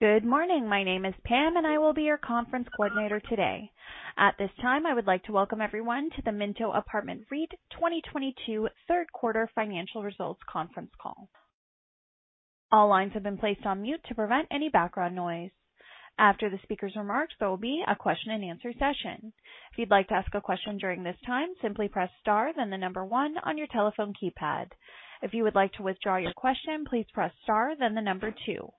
Good morning. My name is Pam, and I will be your conference coordinator today. At this time, I would like to welcome everyone to the Minto Apartment REIT 2022 third quarter financial results conference call. All lines have been placed on mute to prevent any background noise. After the speaker's remarks, there will be a question-and-answer session. If you'd like to ask a question during this time, simply press star then the number one on your telephone keypad. If you would like to withdraw your question, please press star then the number two.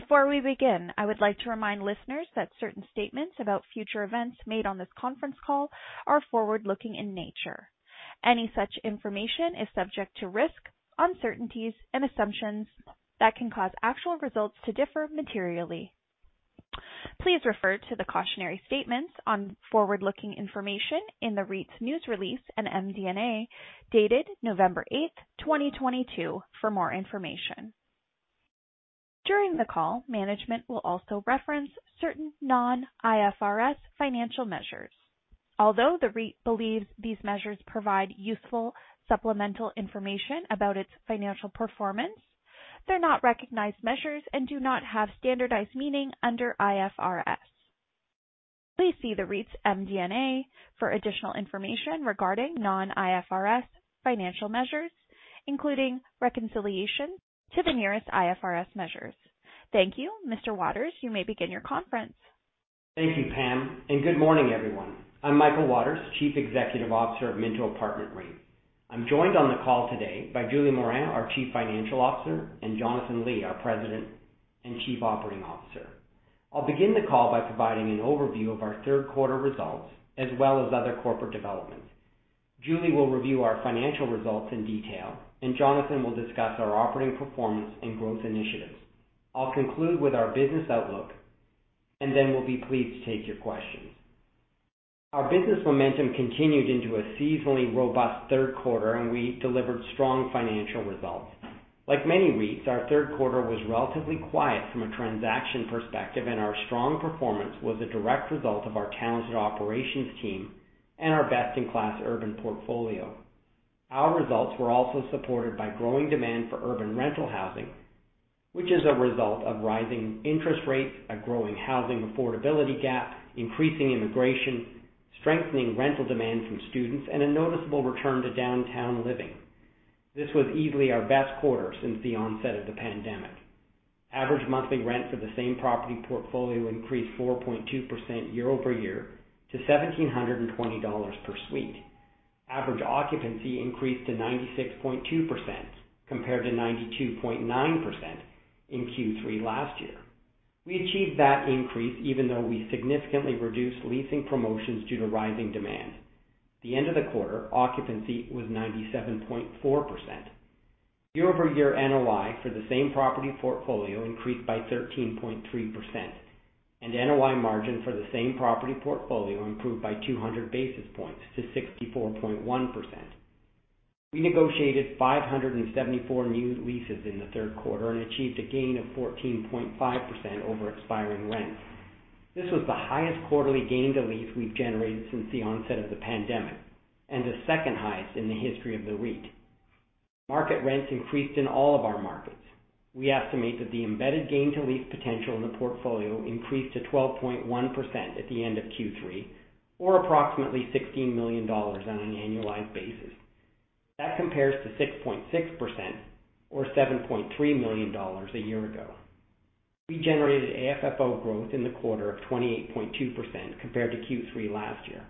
Before we begin, I would like to remind listeners that certain statements about future events made on this conference call are forward-looking in nature. Any such information is subject to risk, uncertainties, and assumptions that can cause actual results to differ materially. Please refer to the cautionary statements on forward-looking information in the REIT's news release and MD&A dated November eighth, twenty twenty-two for more information. During the call, management will also reference certain non-IFRS financial measures. Although the REIT believes these measures provide useful supplemental information about its financial performance, they're not recognized measures and do not have standardized meaning under IFRS. Please see the REIT's MD&A for additional information regarding non-IFRS financial measures, including reconciliation to the nearest IFRS measures. Thank you. Mr. Waters, you may begin your conference. Thank you, Pam, and good morning, everyone. I'm Michael Waters, Chief Executive Officer of Minto Apartment REIT. I'm joined on the call today by Julie Morin, our Chief Financial Officer, and Jonathan Li, our President and Chief Operating Officer. I'll begin the call by providing an overview of our third quarter results, as well as other corporate developments. Julie will review our financial results in detail, and Jonathan will discuss our operating performance and growth initiatives. I'll conclude with our business outlook, and then we'll be pleased to take your questions. Our business momentum continued into a seasonally robust third quarter, and we delivered strong financial results. Like many REITs, our third quarter was relatively quiet from a transaction perspective, and our strong performance was a direct result of our talented operations team and our best-in-class urban portfolio. Our results were also supported by growing demand for urban rental housing, which is a result of rising interest rates, a growing housing affordability gap, increasing immigration, strengthening rental demand from students, and a noticeable return to downtown living. This was easily our best quarter since the onset of the pandemic. Average monthly rent for the Same Property Portfolio increased 4.2% year-over-year to 1,720 dollars per suite. Average occupancy increased to 96.2% compared to 92.9% in Q3 last year. We achieved that increase even though we significantly reduced leasing promotions due to rising demand. The end of the quarter occupancy was 97.4%. Year-over-year NOI for the Same Property Portfolio increased by 13.3%, and NOI margin for the Same Property Portfolio improved by 200 basis points to 64.1%. We negotiated 574 new leases in the third quarter and achieved a gain of 14.5% over expiring rents. This was the highest quarterly gain to lease we've generated since the onset of the pandemic and the second highest in the history of the REIT. Market rents increased in all of our markets. We estimate that the embedded gain to lease potential in the portfolio increased to 12.1% at the end of Q3, or approximately 16 million dollars on an annualized basis. That compares to 6.6% or 7.3 million dollars a year ago. We generated AFFO growth in the quarter of 28.2% compared to Q3 last year,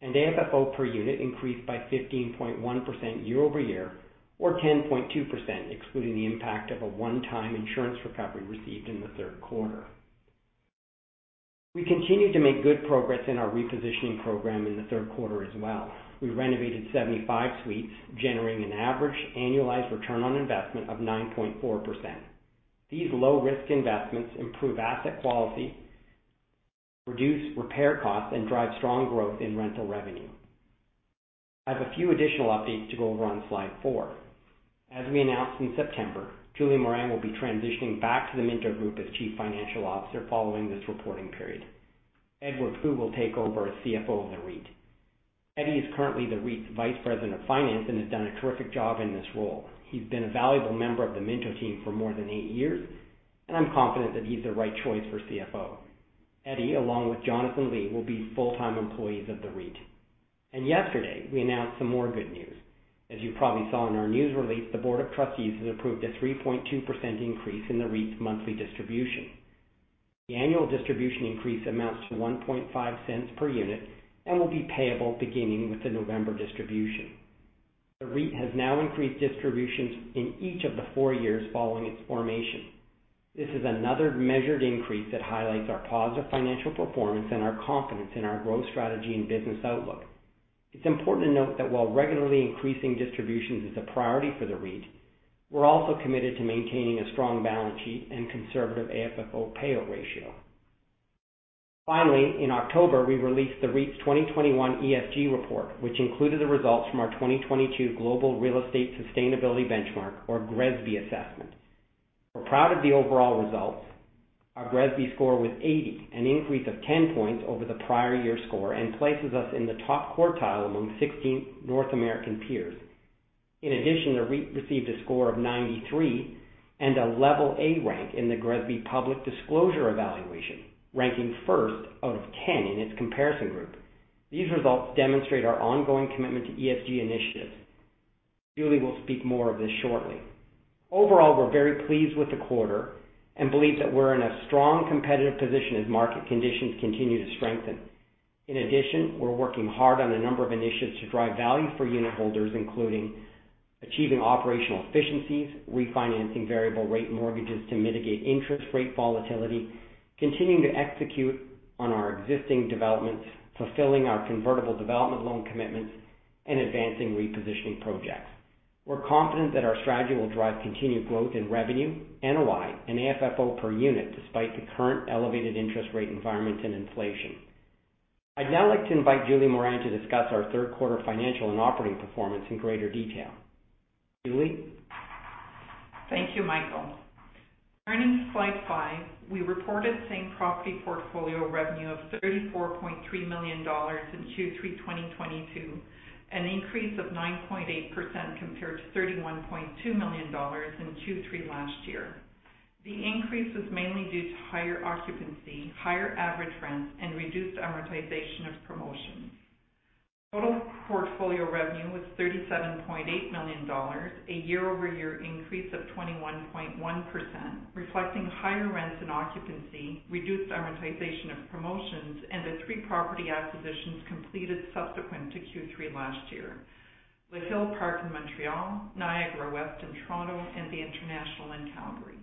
and AFFO per unit increased by 15.1% year-over-year or 10.2%, excluding the impact of a one-time insurance recovery received in the third quarter. We continued to make good progress in our repositioning program in the third quarter as well. We renovated 75 suites, generating an average annualized return on investment of 9.4%. These low-risk investments improve asset quality, reduce repair costs, and drive strong growth in rental revenue. I have a few additional updates to go over on slide four. As we announced in September, Julie Morin will be transitioning back to the Minto Group as Chief Financial Officer following this reporting period. Edward Fu will take over as CFO of the REIT. Edward is currently the REIT's Vice President of Finance and has done a terrific job in this role. He's been a valuable member of the Minto team for more than eight years, and I'm confident that he's the right choice for CFO. Edward, along with Jonathan Li, will be full-time employees of the REIT. Yesterday we announced some more good news. As you probably saw in our news release, the Board of Trustees has approved a 3.2% increase in the REIT's monthly distribution. The annual distribution increase amounts to 0.015 per unit and will be payable beginning with the November distribution. The REIT has now increased distributions in each of the four years following its formation. This is another measured increase that highlights our positive financial performance and our confidence in our growth strategy and business outlook. It's important to note that while regularly increasing distributions is a priority for the REIT, we're also committed to maintaining a strong balance sheet and conservative AFFO payout ratio. Finally, in October, we released the REIT's 2021 ESG report, which included the results from our 2022 Global Real Estate Sustainability Benchmark, or GRESB assessment. We're proud of the overall result. Our GRESB score was 80, an increase of 10 points over the prior year's score, and places us in the top quartile among 16 North American peers. In addition, the REIT received a score of 93 and a level A rank in the GRESB public disclosure evaluation, ranking first out of 10 in its comparison group. These results demonstrate our ongoing commitment to ESG initiatives. Julie will speak more of this shortly. Overall, we're very pleased with the quarter and believe that we're in a strong competitive position as market conditions continue to strengthen. In addition, we're working hard on a number of initiatives to drive value for unitholders, including achieving operational efficiencies, refinancing variable rate mortgages to mitigate interest rate volatility, continuing to execute on our existing developments, fulfilling our convertible development loan commitments, and advancing repositioning projects. We're confident that our strategy will drive continued growth in revenue, NOI, and AFFO per unit despite the current elevated interest rate environment and inflation. I'd now like to invite Julie Morin to discuss our third quarter financial and operating performance in greater detail. Julie. Thank you, Michael. Turning to slide five, we reported Same Property Portfolio revenue of 34.3 million dollars in Q3 2022, an increase of 9.8% compared to 31.2 million dollars in Q3 last year. The increase was mainly due to higher occupancy, higher average rents, and reduced amortization of promotions. Total portfolio revenue was 37.8 million dollars, a year-over-year increase of 21.1%, reflecting higher rents and occupancy, reduced amortization of promotions, and the three property acquisitions completed subsequent to Q3 last year. Hill Park in Montreal, Niagara West in Toronto, and The International in Calgary.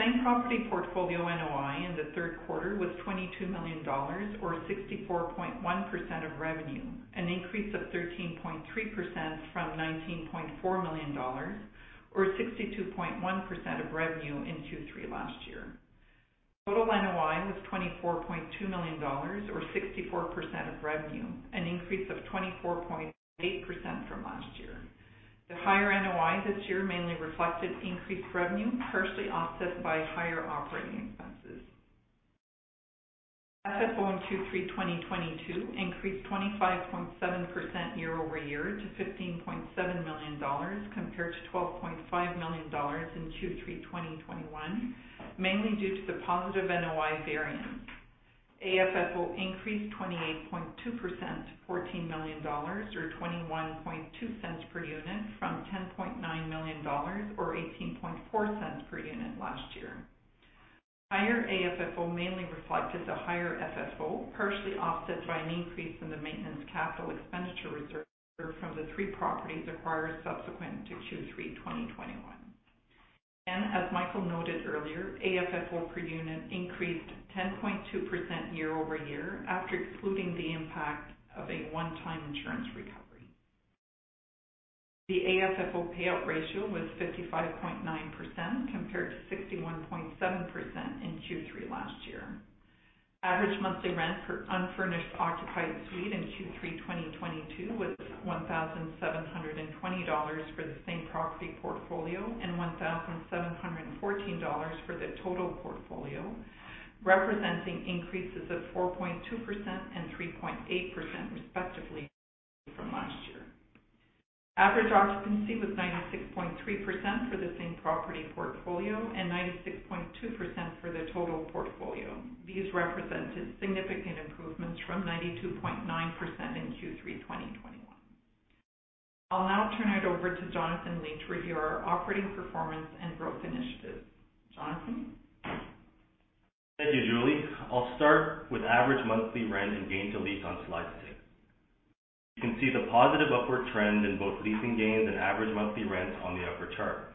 Same Property Portfolio NOI in the third quarter was 22 million dollars, or 64.1% of revenue, an increase of 13.3% from 19.4 million dollars, or 62.1% of revenue in Q3 last year. Total NOI was 24.2 million dollars or 64% of revenue, an increase of 24.8% from last year. The higher NOI this year mainly reflected increased revenue, partially offset by higher operating expenses. FFO in Q3 2022 increased 25.7% year-over-year to 15.7 million dollars, compared to 12.5 million dollars in Q3 2021, mainly due to the positive NOI variance. AFFO increased 28.2% to 14 million dollars or 0.212 per unit from 10.9 million dollars or 0.184 per unit last year. Higher AFFO mainly reflected the higher FFO, partially offset by an increase in the maintenance capital expenditure reserve from the three properties acquired subsequent to Q3 2021. As Michael noted earlier, AFFO per unit increased 10.2% year-over-year after excluding the impact of a one-time insurance recovery. The AFFO payout ratio was 55.9%, compared to 61.7% in Q3 last year. Average monthly rent per unfurnished occupied suite in Q3 2022 was 1,720 dollars for the Same Property Portfolio and 1,714 dollars for the total portfolio, representing increases of 4.2% and 3.8% respectively from last year. Average occupancy was 96.3% for the Same Property Portfolio and 96.2% for the total portfolio. These represented significant improvements from 92.9% in Q3 2021. I'll now turn it over to Jonathan Li to review our operating performance and growth initiatives. Jonathan. Thank you, Julie. I'll start with average monthly rent and gain to lease on slide six. You can see the positive upward trend in both leasing gains and average monthly rents on the upper chart.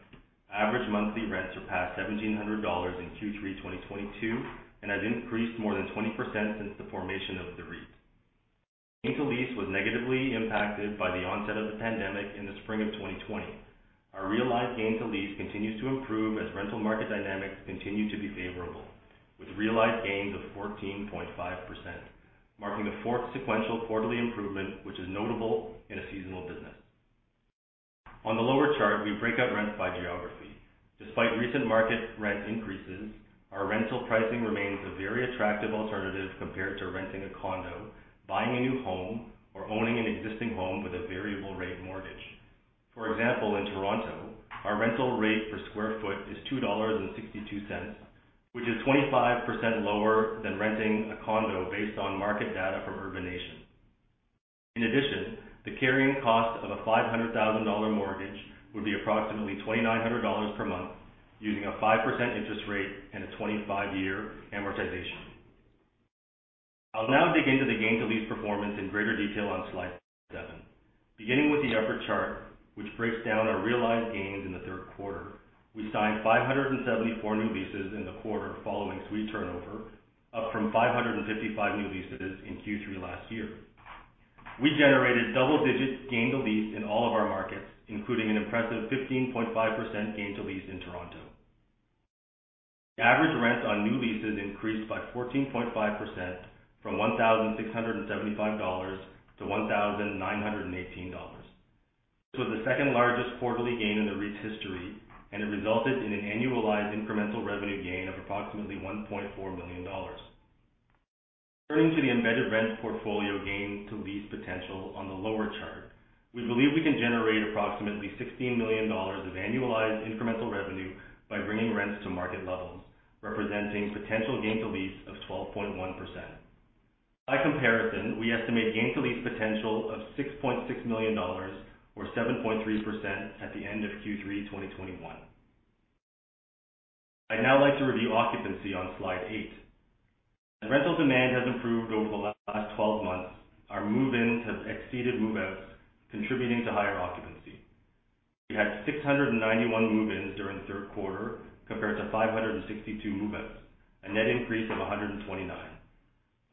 Average monthly rents surpassed 1,700 dollars in Q3 2022 and have increased more than 20% since the formation of the REIT. Gain to lease was negatively impacted by the onset of the pandemic in the spring of 2020. Our realized gain to lease continues to improve as rental market dynamics continue to be favorable, with realized gains of 14.5%, marking the fourth sequential quarterly improvement, which is notable in a seasonal business. On the lower chart, we break out rents by geography. Despite recent market rent increases, our rental pricing remains a very attractive alternative compared to renting a condo, buying a new home, or owning an existing home with a variable rate mortgage. For example, in Toronto, our rental rate per square foot is 2.62 dollars, which is 25% lower than renting a condo based on market data from Urbanation. In addition, the carrying cost of a 500,000 dollar mortgage would be approximately 2,900 dollars per month, using a 5% interest rate and a 25-year amortization. I'll now dig into the gain to lease performance in greater detail on slide seven. Beginning with the upper chart, which breaks down our realized gains in the third quarter. We signed 574 new leases in the quarter following suite turnover, up from 555 new leases in Q3 last year. We generated double-digit gain to lease in all of our markets, including an impressive 15.5% gain to lease in Toronto. Average rents on new leases increased by 14.5% from 1,675 dollars to 1,918 dollars. This was the second largest quarterly gain in the REIT's history, and it resulted in an annualized incremental revenue gain of approximately 1.4 million dollars. Turning to the embedded rent portfolio gain to lease potential on the lower chart, we believe we can generate approximately 16 million dollars of annualized incremental revenue by bringing rents to market levels, representing potential gain to lease of 12.1%. By comparison, we estimate gain to lease potential of 6.6 million dollars or 7.3% at the end of Q3 2021. I'd now like to review occupancy on slide eight. As rental demand has improved over the last 12 months, our move ins have exceeded move outs, contributing to higher occupancy. We had 691 move ins during the third quarter compared to 562 move outs, a net increase of 129.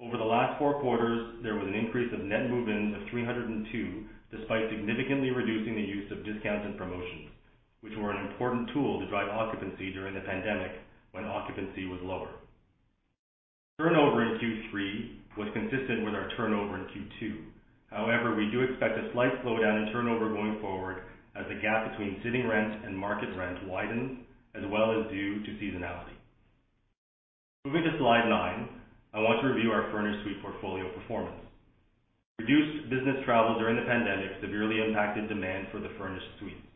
Over the last four quarters, there was an increase of net move-ins of 302, despite significantly reducing the use of discounts and promotions, which were an important tool to drive occupancy during the pandemic when occupancy was lower. Turnover in Q3 was consistent with our turnover in Q2. However, we do expect a slight slowdown in turnover going forward as the gap between sitting rent and market rent widens as well as due to seasonality. Moving to slide nine, I want to review our furnished suite portfolio performance. Reduced business travel during the pandemic severely impacted demand for the furnished suites.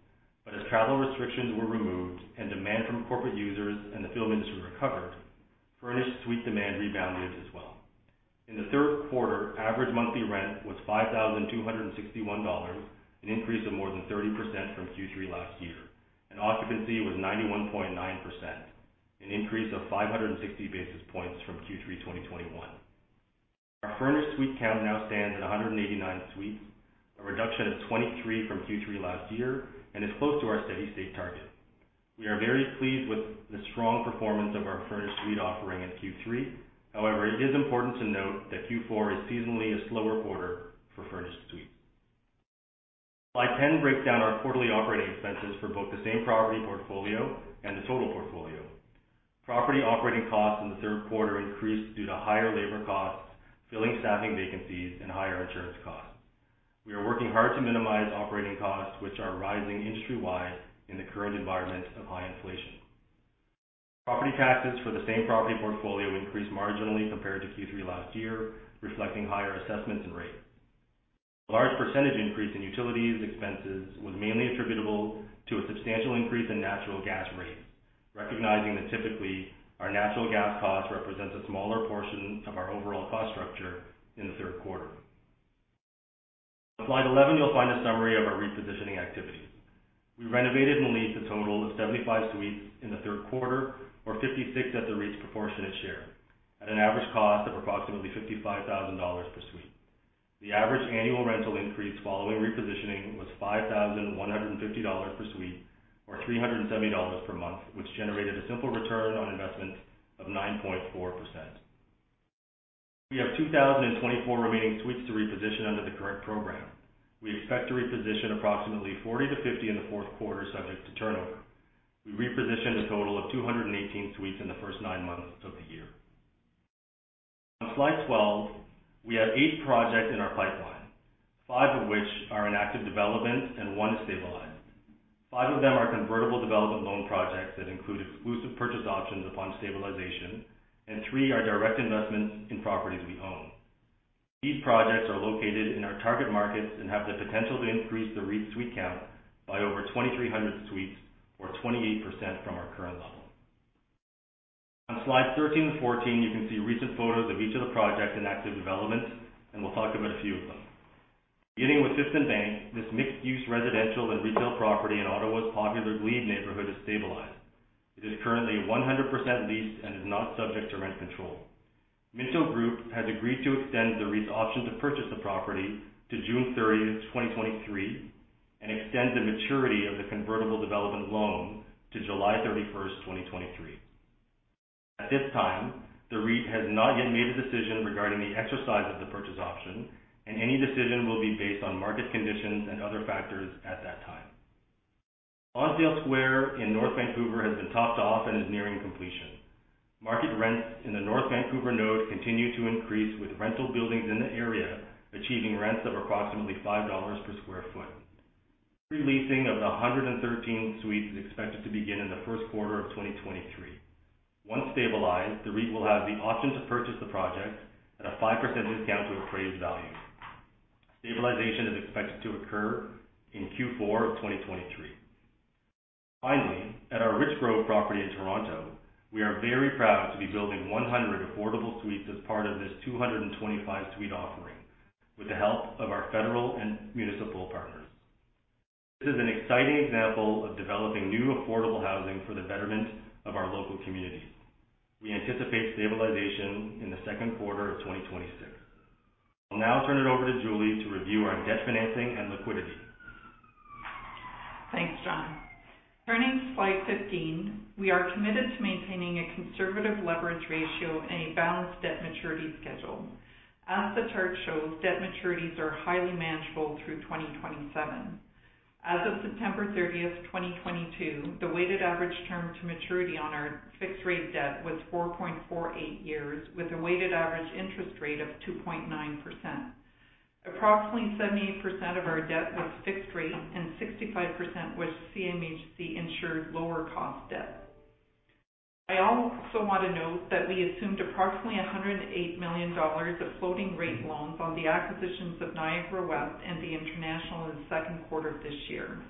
As travel restrictions were removed and demand from corporate users and the film industry recovered, furnished suite demand rebounded as well. In the third quarter, average monthly rent was 5,261 dollars, an increase of more than 30% from Q3 last year, and occupancy was 91.9%, an increase of 560 basis points from Q3, 2021. Our furnished suite count now stands at 189 suites, a reduction of 23 from Q3 last year, and is close to our steady-state target. We are very pleased with the strong performance of our furnished suite offering in Q3. However, it is important to note that Q4 is seasonally a slower quarter for furnished suites. Slide 10 breaks down our quarterly operating expenses for both the Same Property Portfolio and the total portfolio. Property operating costs in the third quarter increased due to higher labor costs, filling staffing vacancies, and higher insurance costs. We are working hard to minimize operating costs, which are rising industry-wide in the current environment of high inflation. Property taxes for the Same Property Portfolio increased marginally compared to Q3 last year, reflecting higher assessments and rates. The large percentage increase in utilities expenses was mainly attributable to a substantial increase in natural gas rates, recognizing that typically our natural gas costs represents a smaller portion of our overall cost structure in the third quarter. On slide 11, you'll find a summary of our repositioning activities. We renovated and leased a total of 75 suites in the third quarter, or 56 at the REIT's proportionate share, at an average cost of approximately 55,000 dollars per suite. The average annual rental increase following repositioning was 5,150 dollars per suite, or 370 dollars per month, which generated a simple return on investment of 9.4%. We have 2,024 remaining suites to reposition under the current program. We expect to reposition approximately 40-50 in the fourth quarter, subject to turnover. We repositioned a total of 218 suites in the first 9 months of the year. On slide 12, we have eight projects in our pipeline, five of which are in active development and one is stabilized. Five of them are convertible development loan projects that include exclusive purchase options upon stabilization, and three are direct investments in properties we own. These projects are located in our target markets and have the potential to increase the REIT's suite count by over 2,300 suites or 28% from our current level. On slide 13 to 14, you can see recent photos of each of the projects in active development, and we'll talk about a few of them. Beginning with Fifth + Bank, this mixed-use residential and retail property in Ottawa's popular Glebe neighborhood is stabilized. It is currently 100% leased and is not subject to rent control. Minto Group has agreed to extend the REIT's option to purchase the property to June 30, 2023, and extend the maturity of the convertible development loan to July 31, 2023. At this time, the REIT has not yet made a decision regarding the exercise of the purchase option, and any decision will be based on market conditions and other factors at that time. Lonsdale Square in North Vancouver has been topped off and is nearing completion. Market rents in the North Vancouver node continue to increase, with rental buildings in the area achieving rents of approximately 5 dollars per sq ft. Pre-leasing of the 113 suites is expected to begin in the first quarter of 2023. Once stabilized, the REIT will have the option to purchase the project at a 5% discount to appraised value. Stabilization is expected to occur in Q4 of 2023. Finally, at our Richgrove property in Toronto, we are very proud to be building 100 affordable suites as part of this 225 suite offering with the help of our federal and municipal partners. This is an exciting example of developing new affordable housing for the betterment of our local communities. We anticipate stabilization in the second quarter of 2026. I'll now turn it over to Julie to review our debt financing and liquidity. Thanks, Jon. Turning to slide 15, we are committed to maintaining a conservative leverage ratio and a balanced debt maturity schedule. As the chart shows, debt maturities are highly manageable through 2027. As of September 30, 2022, the weighted average term to maturity on our fixed rate debt was 4.48 years, with a weighted average interest rate of 2.9%. Approximately 70% of our debt was fixed rate and 65% was CMHC insured lower cost debt. I also want to note that we assumed approximately 108 million dollars of floating rate loans on the acquisitions of Niagara West and the International in the second quarter of this year.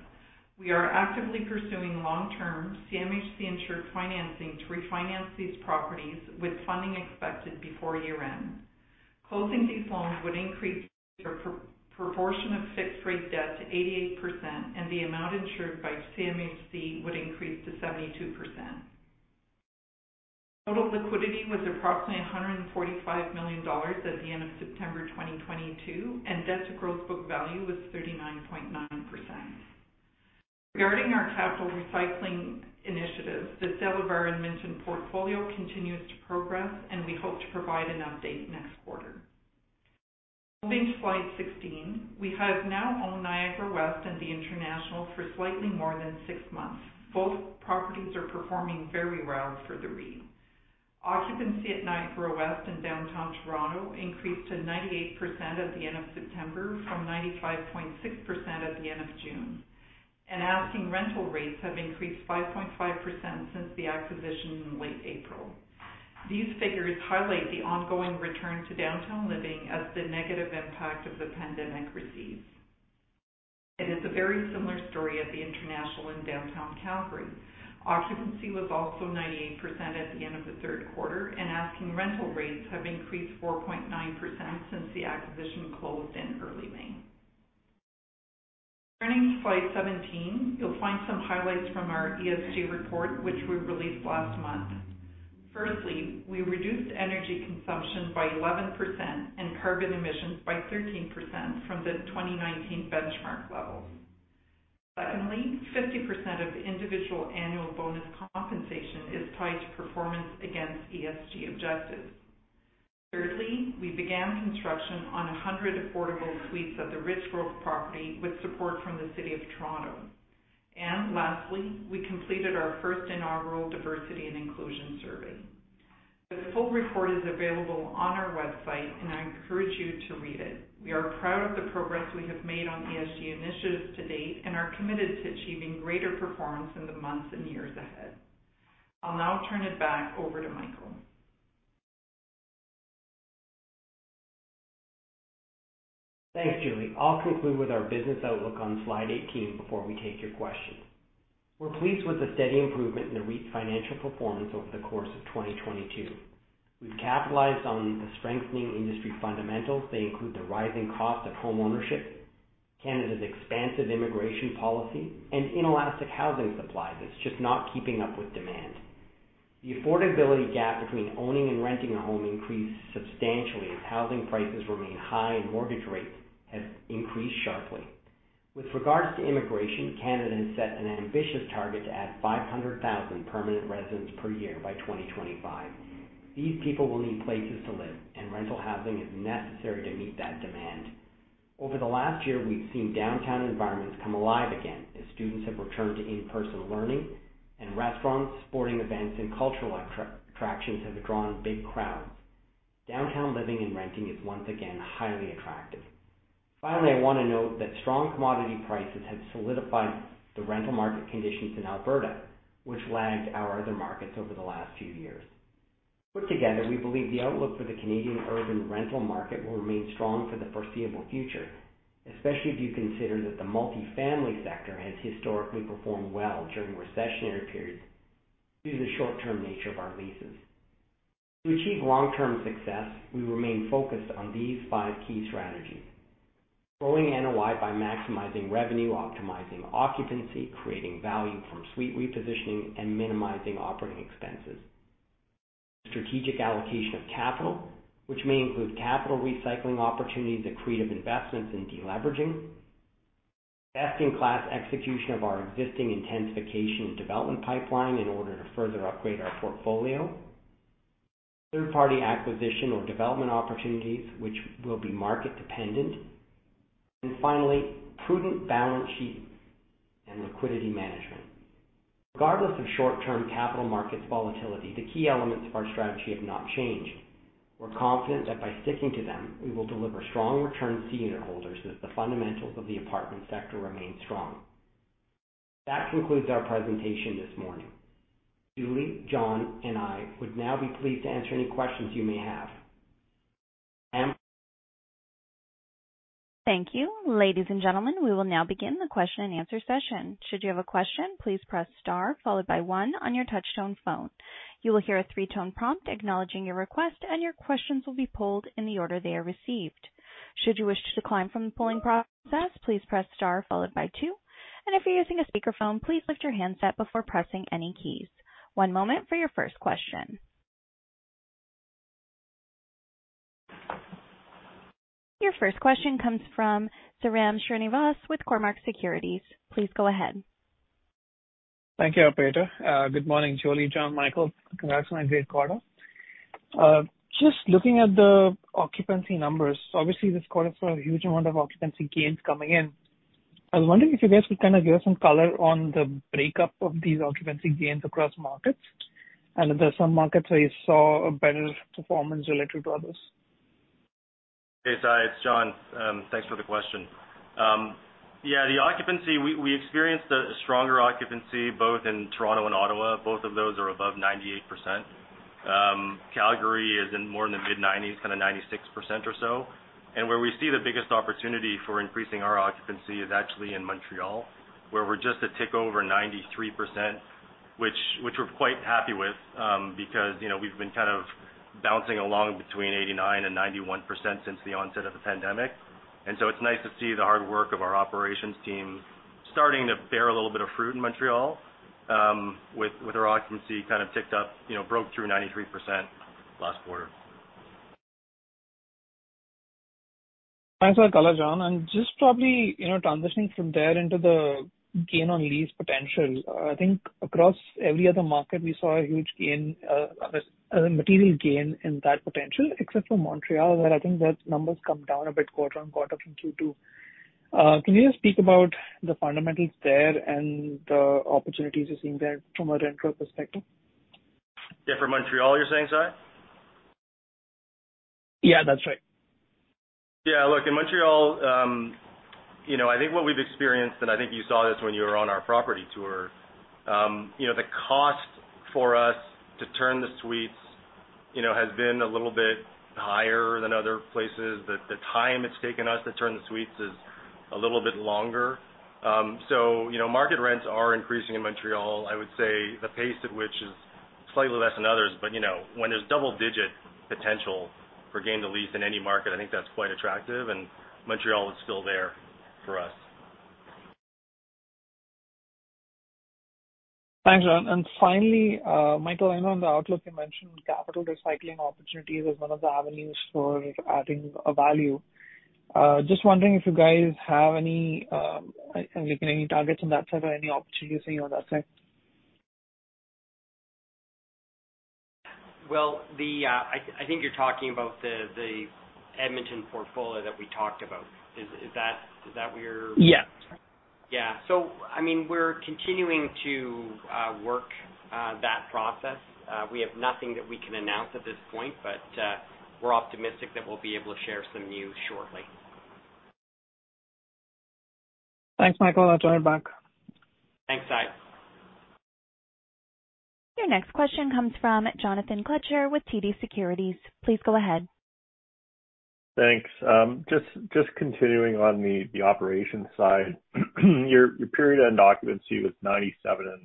We are actively pursuing long-term CMHC insured financing to refinance these properties with funding expected before year-end. Closing these loans would increase our proportion of fixed rate debt to 88%, and the amount insured by CMHC would increase to 72%. Total liquidity was approximately 145 million dollars at the end of September 2022, and debt-to-gross book value was 39.9%. Regarding our capital recycling initiatives, the sale of our Edmonton portfolio continues to progress, and we hope to provide an update next quarter. Moving to slide 16. We have now owned 39 Niagara and the International for slightly more than six months. Both properties are performing very well for the REIT. Occupancy at 39 Niagara in downtown Toronto increased to 98% at the end of September from 95.6% at the end of June. Asking rental rates have increased 5.5% since the acquisition in late April. These figures highlight the ongoing return to downtown living as the negative impact of the pandemic recedes. It is a very similar story at the International in downtown Calgary. Occupancy was also 98% at the end of the third quarter, and asking rental rates have increased 4.9% since the acquisition closed in early May. Turning to slide 17, you'll find some highlights from our ESG report, which we released last month. Firstly, we reduced energy consumption by 11% and carbon emissions by 13% from the 2019 benchmark levels. Secondly, 50% of individual annual bonus compensation is tied to performance against ESG objectives. Thirdly, we began construction on 100 affordable suites at the Richgrove property with support from the City of Toronto. Lastly, we completed our first inaugural diversity and inclusion survey. The full report is available on our website, and I encourage you to read it. We are proud of the progress we have made on ESG initiatives to date and are committed to achieving greater performance in the months and years ahead. I'll now turn it back over to Michael. Thanks, Julie. I'll conclude with our business outlook on slide 18 before we take your questions. We're pleased with the steady improvement in the REIT's financial performance over the course of 2022. We've capitalized on the strengthening industry fundamentals. They include the rising cost of home ownership, Canada's expansive immigration policy, and inelastic housing supply that's just not keeping up with demand. The affordability gap between owning and renting a home increased substantially as housing prices remain high and mortgage rates have increased sharply. With regards to immigration, Canada has set an ambitious target to add 500,000 permanent residents per year by 2025. These people will need places to live, and rental housing is necessary to meet that demand. Over the last year, we've seen downtown environments come alive again as students have returned to in-person learning, and restaurants, sporting events, and cultural attractions have drawn big crowds. Downtown living and renting is once again highly attractive. Finally, I want to note that strong commodity prices have solidified the rental market conditions in Alberta, which lagged our other markets over the last few years. Put together, we believe the outlook for the Canadian urban rental market will remain strong for the foreseeable future, especially if you consider that the multi-family sector has historically performed well during recessionary periods due to the short-term nature of our leases. To achieve long-term success, we remain focused on these five key strategies. Growing NOI by maximizing revenue, optimizing occupancy, creating value from suite repositioning, and minimizing operating expenses. Strategic allocation of capital, which may include capital recycling opportunities, accretive investments, and deleveraging. Best-in-class execution of our existing intensification and development pipeline in order to further upgrade our portfolio. Third-party acquisition or development opportunities, which will be market-dependent. Finally, prudent balance sheet and liquidity management. Regardless of short-term capital markets volatility, the key elements of our strategy have not changed. We're confident that by sticking to them, we will deliver strong returns to unitholders as the fundamentals of the apartment sector remain strong. That concludes our presentation this morning. Julie, Jon, and I would now be pleased to answer any questions you may have. Thank you. Ladies and gentlemen, we will now begin the question-and-answer session. Should you have a question, please press star followed by one on your touch-tone phone. You will hear a three-tone prompt acknowledging your request, and your questions will be pulled in the order they are received. Should you wish to decline from the polling process, please press star followed by two. If you're using a speakerphone, please lift your handset before pressing any keys. One moment for your first question. Your first question comes from Sairam Srinivas with Cormark Securities. Please go ahead. Thank you, operator. Good morning, Julie, Jon, Michael. Congrats on a great quarter. Just looking at the occupancy numbers, obviously this quarter saw a huge amount of occupancy gains coming in. I was wondering if you guys could kind of give us some color on the breakdown of these occupancy gains across markets, and if there are some markets where you saw a better performance relative to others? Hey, Sai, it's Jon. Thanks for the question. Yeah, the occupancy, we experienced a stronger occupancy both in Toronto and Ottawa. Both of those are above 98%. Calgary is more in the mid-nineties, kinda 96% or so. Where we see the biggest opportunity for increasing our occupancy is actually in Montreal, where we're just a tick over 93%, which we're quite happy with, because, you know, we've been kind of bouncing along between 89%-91% since the onset of the pandemic. It's nice to see the hard work of our operations team starting to bear a little bit of fruit in Montreal, with our occupancy kind of ticked up, you know, broke through 93% last quarter. Thanks for that color, Jon. Just probably, you know, transitioning from there into the gain-to-lease potential. I think across every other market, we saw a huge gain-to-lease, a material gain-to-lease in that potential, except for Montreal, where I think those numbers come down a bit quarter-over-quarter from Q2. Can you just speak about the fundamentals there and the opportunities you're seeing there from a rental perspective? Yeah, for Montreal, you're saying, Sai? Yeah, that's right. Yeah. Look, in Montreal, you know, I think what we've experienced, and I think you saw this when you were on our property tour, you know, the cost for us to turn the suites, you know, has been a little bit higher than other places. The time it's taken us to turn the suites is a little bit longer. You know, market rents are increasing in Montreal. I would say the pace at which is slightly less than others. You know, when there's double-digit potential for gain to lease in any market, I think that's quite attractive, and Montreal is still there for us. Thanks, Jon. Finally, Michael, I know in the outlook you mentioned capital recycling opportunities as one of the avenues for adding a value. Just wondering if you guys have any looking at any targets on that side or any opportunities for you on that side. Well, I think you're talking about the Edmonton portfolio that we talked about. Is that where- Yeah. Yeah. I mean, we're continuing to work that process. We have nothing that we can announce at this point, but we're optimistic that we'll be able to share some news shortly. Thanks, Michael. That's all I got. Thanks, Sai. Your next question comes from Jonathan Kelcher with TD Securities. Please go ahead. Thanks. Just continuing on the operations side. Your period-end occupancy was 97.4%.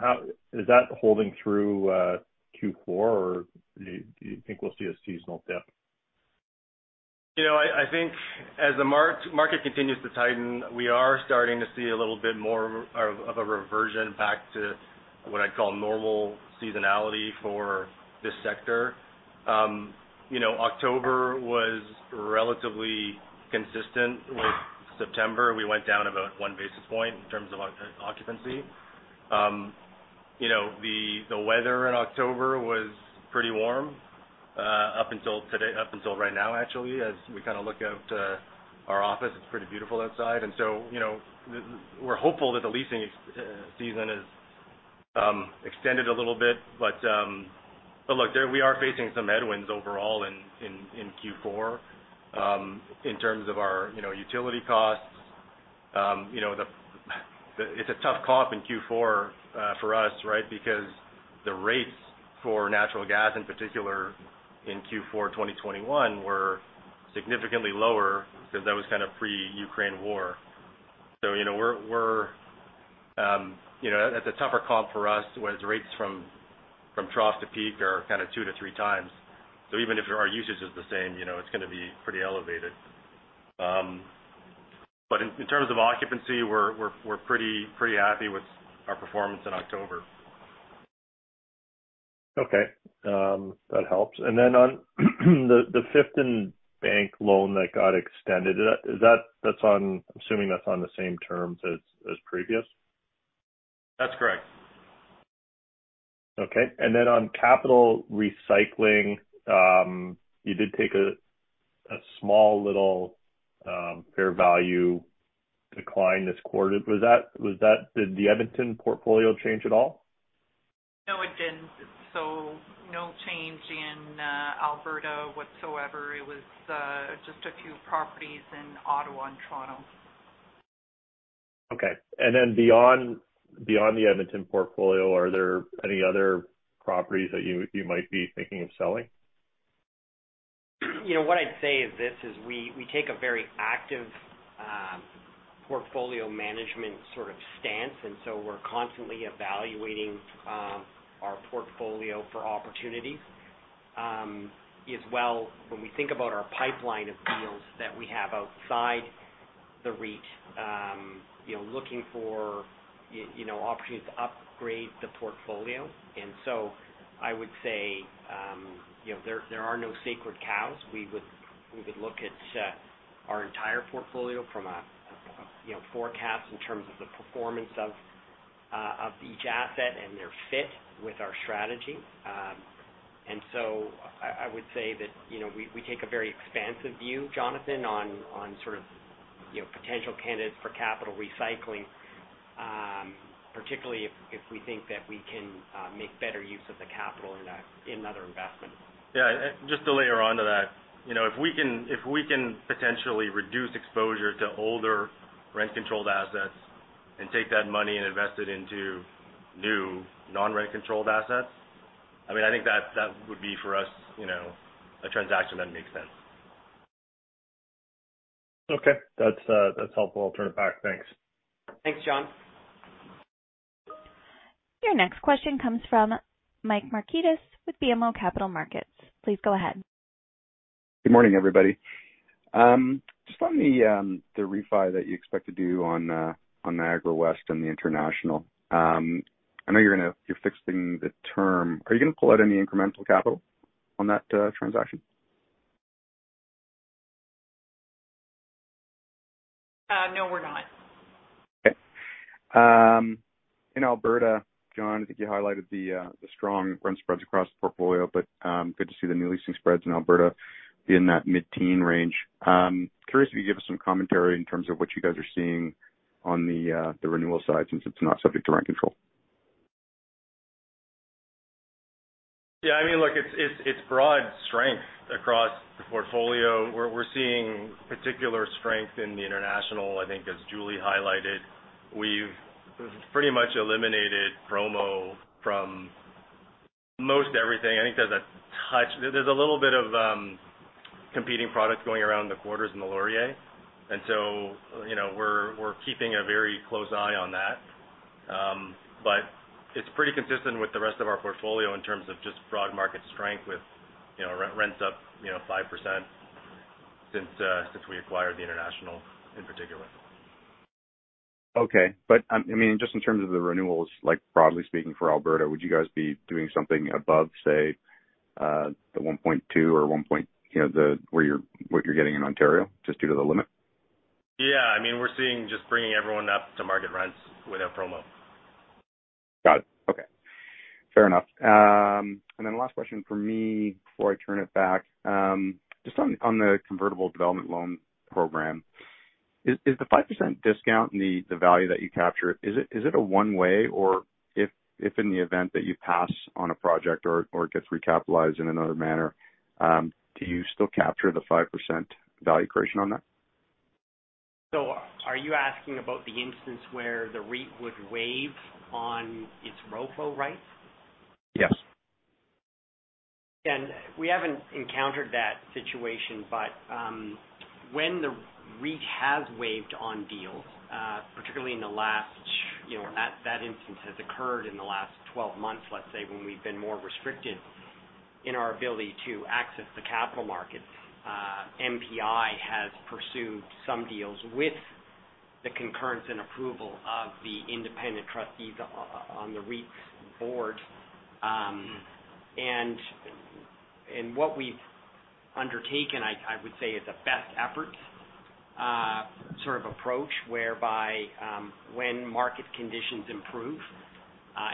How is that holding through Q4, or do you think we'll see a seasonal dip? You know, I think as the market continues to tighten, we are starting to see a little bit more of a reversion back to what I'd call normal seasonality for this sector. You know, October was relatively consistent with September. We went down about one basis point in terms of occupancy. You know, the weather in October was pretty warm up until today, up until right now actually, as we kind of look out our office, it's pretty beautiful outside. You know, we're hopeful that the leasing season is extended a little bit. But look, there we are facing some headwinds overall in Q4 in terms of our utility costs. You know, it's a tough comp in Q4 for us, right? Because the rates for natural gas, in particular in Q4 2021, were significantly lower because that was kind of pre-Ukraine war. You know, we're you know, that's a tougher comp for us when the rates from trough to peak are kind of two to three times. Even if our usage is the same, you know, it's gonna be pretty elevated. In terms of occupancy, we're pretty happy with our performance in October. Okay. That helps. Then on the Fifth + Bank loan that got extended, is that on the same terms as previous? That's correct. Okay. On capital recycling, you did take a small little fair value decline this quarter. Did the Edmonton portfolio change at all? No, it didn't. No change in Alberta whatsoever. It was just a few properties in Ottawa and Toronto. Okay. Beyond the Edmonton portfolio, are there any other properties that you might be thinking of selling? You know, what I'd say is this: we take a very active portfolio management sort of stance, and so we're constantly evaluating our portfolio for opportunities. As well, when we think about our pipeline of deals that we have outside the REIT, you know, looking for opportunities to upgrade the portfolio. I would say, you know, there are no sacred cows. We would look at our entire portfolio from a forecast in terms of the performance of each asset and their fit with our strategy. I would say that, you know, we take a very expansive view, Jonathan, on sort of, you know, potential candidates for capital recycling, particularly if we think that we can make better use of the capital in that in other investments. Yeah. Just to layer onto that, you know, if we can potentially reduce exposure to older rent-controlled assets and take that money and invest it into new non-rent controlled assets, I mean, I think that would be for us, you know, a transaction that makes sense. Okay. That's helpful. I'll turn it back. Thanks. Thanks, Jon. Your next question comes from Michael Markidis with BMO Capital Markets. Please go ahead. Good morning, everybody. Just on the refi that you expect to do on Niagara West and The International. I know you're fixing the term. Are you gonna pull out any incremental capital on that transaction? No, we're not. Okay. In Alberta, Jon, I think you highlighted the strong rent spreads across the portfolio, but good to see the new leasing spreads in Alberta be in that mid-teen range. Curious if you give us some commentary in terms of what you guys are seeing on the renewal side since it's not subject to rent control. Yeah, I mean, look, it's broad strength across the portfolio. We're seeing particular strength in the international. I think, as Julie highlighted, we've pretty much eliminated promo from most everything. I think there's a little bit of competing products going around the quarters in the Laurier. You know, we're keeping a very close eye on that. But it's pretty consistent with the rest of our portfolio in terms of just broad market strength with, you know, re-rent's up, you know, 5% since we acquired the international in particular. I mean, just in terms of the renewals, like broadly speaking, for Alberta, would you guys be doing something above, say, the 1.2% or 1%, you know, what you're getting in Ontario, just due to the limit? Yeah. I mean, we're seeing just bringing everyone up to market rents without promo. Got it. Okay. Fair enough. Last question from me before I turn it back. Just on the convertible development loan program. Is the 5% discount in the value that you capture, is it a one way? Or if in the event that you pass on a project or it gets recapitalized in another manner, do you still capture the 5% value creation on that? Are you asking about the instance where the REIT would waive on its ROFO rights? Yes. We haven't encountered that situation, but when the REIT has waived on deals, particularly in the last 12 months, let's say, when we've been more restricted in our ability to access the capital markets, MPI has pursued some deals with the concurrence and approval of the independent trustees on the REIT's board. What we've undertaken, I would say, is a best effort sort of approach whereby when market conditions improve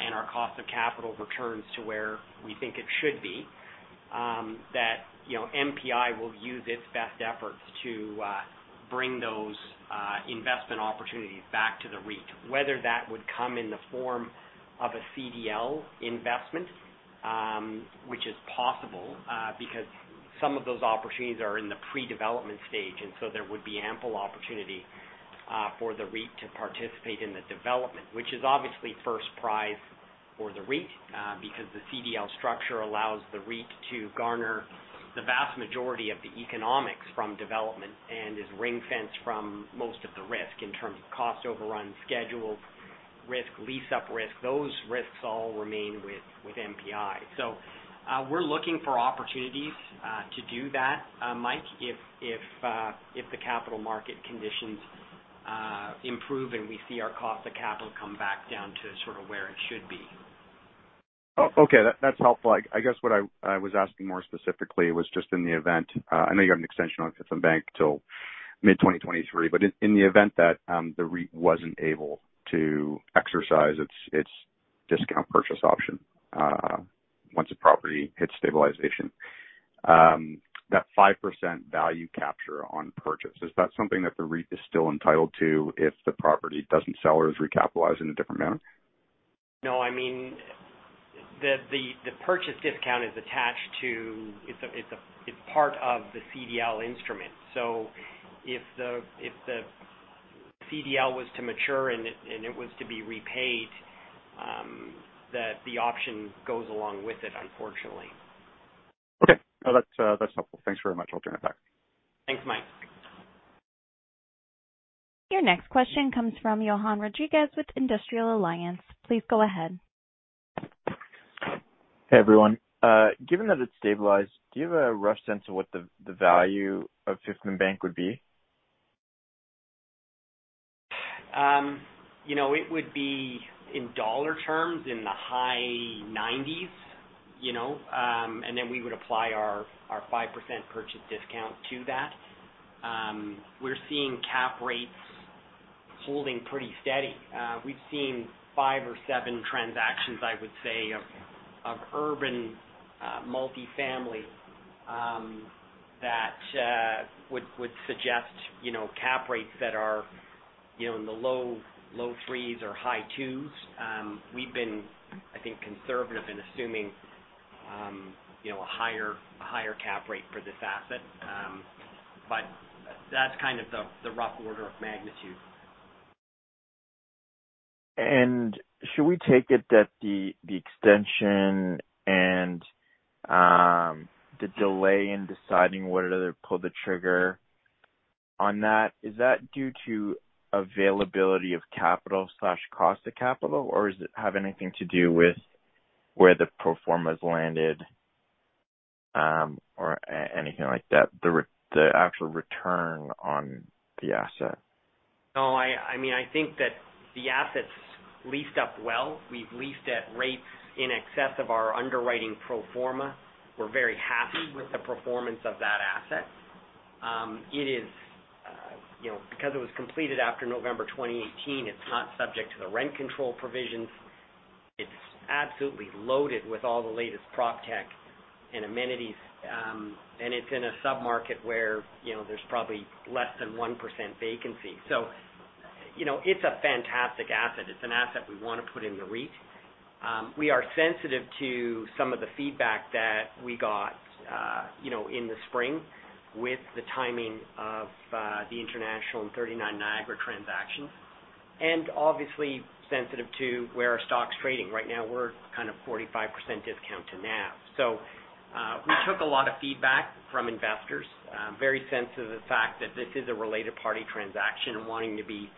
and our cost of capital returns to where we think it should be, that you know, MPI will use its best efforts to bring those investment opportunities back to the REIT. Whether that would come in the form of a CDL investment, which is possible, because some of those opportunities are in the pre-development stage, and so there would be ample opportunity, for the REIT to participate in the development. Which is obviously first prize for the REIT, because the CDL structure allows the REIT to garner the vast majority of the economics from development and is ring-fenced from most of the risk in terms of cost overruns, schedule risk, lease-up risk. Those risks all remain with MPI. We're looking for opportunities, to do that, Mike, if the capital market conditions improve and we see our cost of capital come back down to sort of where it should be. Okay. That's helpful. I guess what I was asking more specifically was just in the event, I know you have an extension on Fifth + Bank till mid-2023, but in the event that the REIT wasn't able to exercise its discount purchase option once the property hits stabilization. That 5% value capture on purchase, is that something that the REIT is still entitled to if the property doesn't sell or is recapitalized in a different manner? No, I mean, it's part of the CDL instrument. If the CDL was to mature and it was to be repaid, the option goes along with it, unfortunately. Okay. No, that's helpful. Thanks very much. I'll turn it back. Thanks, Mike. Your next question comes from Johann Rodrigues with Industrial Alliance. Please go ahead. Hey, everyone. Given that it's stabilized, do you have a rough sense of what the value of Fifth + Bank would be? You know, it would be in dollar terms in the high 90s. You know, and then we would apply our 5% purchase discount to that. We're seeing cap rates holding pretty steady. We've seen five or seven transactions, I would say, of urban multifamily that would suggest, you know, cap rates that are, you know, in the low threes or high 2s. We've been, I think, conservative in assuming, you know, a higher cap rate for this asset. But that's kind of the rough order of magnitude. Should we take it that the extension and the delay in deciding whether to pull the trigger on that is due to availability of capital slash cost of capital, or does it have anything to do with where the pro formas landed, or anything like that, the actual return on the asset? No, I mean, I think that the asset's leased up well. We've leased at rates in excess of our underwriting pro forma. We're very happy with the performance of that asset. It is, you know, because it was completed after November 2018, it's not subject to the rent control provisions. It's absolutely loaded with all the latest PropTech and amenities. And it's in a sub-market where, you know, there's probably less than 1% vacancy. So, you know, it's a fantastic asset. It's an asset we wanna put in the REIT. We are sensitive to some of the feedback that we got, you know, in the spring with the timing of the International and 39 Niagara transactions, and obviously sensitive to where our stock's trading. Right now, we're kind of 45% discount to NAV. We took a lot of feedback from investors, very sensitive to the fact that this is a related party transaction and wanting to be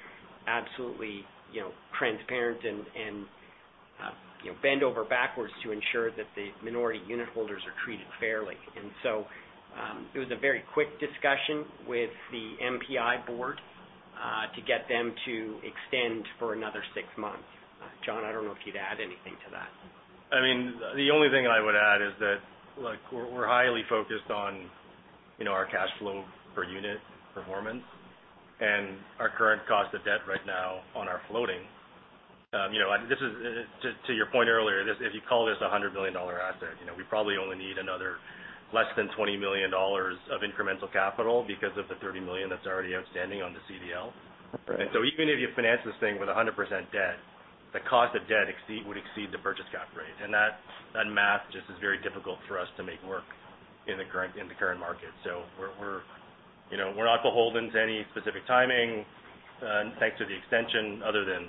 absolutely, you know, transparent and, you know, bend over backwards to ensure that the minority unitholders are treated fairly. It was a very quick discussion with the MPI board to get them to extend for another six months. Jonathan Li, I don't know if you'd add anything to that. I mean, the only thing I would add is that, like, we're highly focused on, you know, our cash flow per unit performance and our current cost of debt right now on our floating. You know, this is to your point earlier, this, if you call this a 100 million dollar asset, you know, we probably only need another less than 20 million dollars of incremental capital because of the 30 million that's already outstanding on the CDL. Right. Even if you finance this thing with 100% debt, the cost of debt would exceed the purchase cap rate. That math just is very difficult for us to make work in the current market. We're not beholden to any specific timing, you know, thanks to the extension, other than